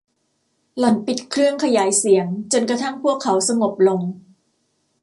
หล่อนปิดเครื่องขยายเสียงจนกระทั่งพวกเขาสงบลง